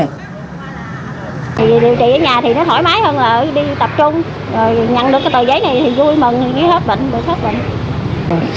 điều trị ở nhà thì nó thoải mái hơn là đi tập trung nhận được cái tờ giấy này thì vui mừng đi hết bệnh